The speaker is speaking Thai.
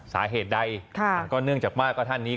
สาเหตุใดก็เนื่องจากว่าก็ท่านนี้